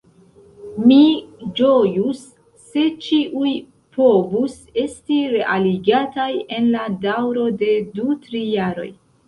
Mi ĝojus, se ĉiuj povus esti realigataj en la daŭro de du-tri jaroj.